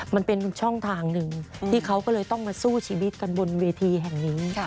มันเป็นช่องทางหนึ่งที่เขาก็เลยต้องมาสู้ชีวิตกันบนเวทีแห่งนี้